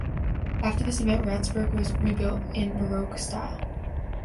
After this event Ratzeburg was rebuilt in baroque style.